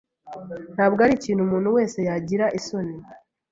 Ntabwo ari ikintu umuntu wese yagira isoni.